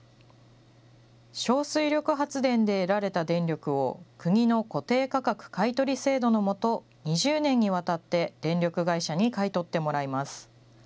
小水力発電で得られた電力を、国の固定価格買取制度の下、２０年にわたって電力会社に買い取ってもらいます。